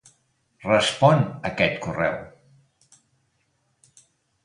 Respon a aquest correu.